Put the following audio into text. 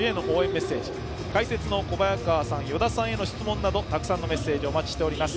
メッセージ解説の小早川さん、与田さんへの質問などたくさんのメッセージをお待ちしております。